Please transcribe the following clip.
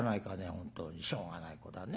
本当にしょうがない子だね。